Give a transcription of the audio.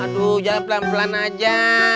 aduh jalan pelan pelan aja